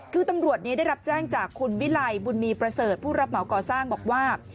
คือตำรวจนี้ได้รับแจ้งจากคุณวิไลบุญมีประเสริฐผู้รับเหมาก่อสร้างบอกว่า